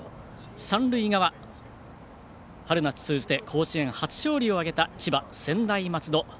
三塁側、春夏通じて甲子園初勝利を挙げた千葉・専大松戸。